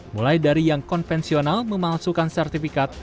mulai dari yang konvensional memalsukan sertifikat